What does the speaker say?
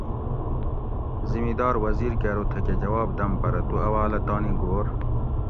زمیدار وزیر کہۤ ارو تھکہۤ جواب دم پرہ تو اواۤلہ تانی گھور